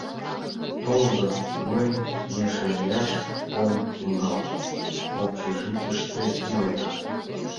Толза, мый мешаяш ом тӱҥал — общежитийыште илем.